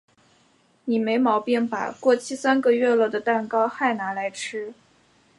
你没毛病吧？过期三个月了的蛋糕嗨拿来吃？